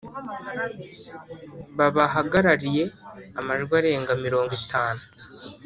Babahagarariye amajwi arenga mirongo itanu